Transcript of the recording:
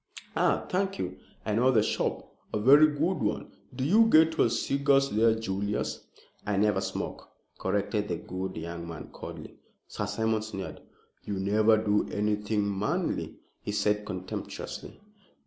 "Ah, thank you. I know the shop. A very good one! Do you get your cigars there, Julius?" "I never smoke," corrected the good young man, coldly. Sir Simon sneered. "You never do anything manly," he said contemptuously.